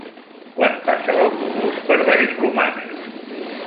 Quan passa l'autobús per Vallromanes?